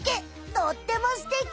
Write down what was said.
とってもすてき！